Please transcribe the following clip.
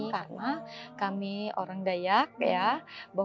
karena kami orang dayak ya